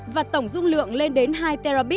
và tổng dung lượng lên đến hai terabit